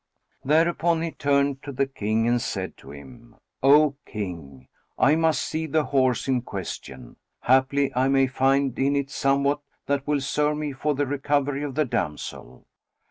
Thereupon he turned to the King and said to him, "O King, I must see the horse in question: haply I may find in it somewhat that will serve me for the recovery of the damsel."